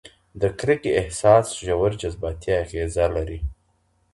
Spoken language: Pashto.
د کرکې احساس ژور جذباتي اغېزه لري.